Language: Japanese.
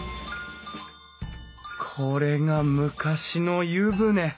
これが昔の湯船。